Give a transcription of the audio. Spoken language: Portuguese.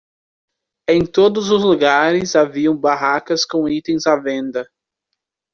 Em todos os lugares havia barracas com itens à venda.